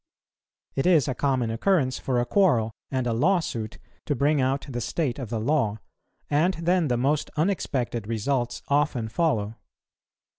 It is a common occurrence for a quarrel and a lawsuit to bring out the state of the law, and then the most unexpected results often follow.